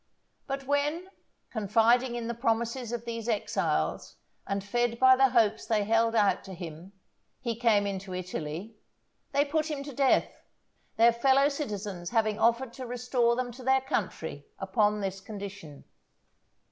But when, confiding in the promises of these exiles, and fed by the hopes they held out to him, he came into Italy, they put him to death, their fellow citizens having offered to restore them to their country upon this condition.